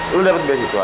lu dapet beasiswa